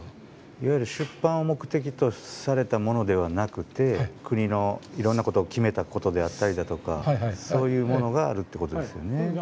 いわゆる出版を目的とされたものではなくて国のいろんなことを決めたことであったりだとかそういうものがあるってことですよね。